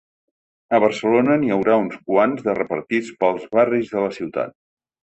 A Barcelona n’hi haurà uns quants de repartits pels barris de la ciutat.